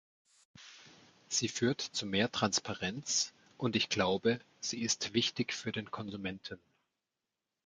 Sie führt zu mehr Transparenz, und ich glaube, sie ist wichtig für den Konsumenten.